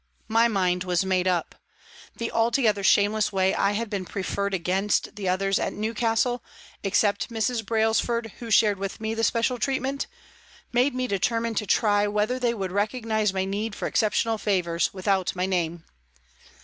My mind was made up. The altogether shameless way I had been preferred against the others at Newcastle, except Mrs. Brailsford who shared with me the special treatment, made me determine to try whether they would recognise my need for excep tional favours without my name.